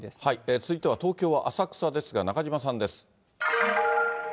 続いては、東京は浅草ですが、中島さんです。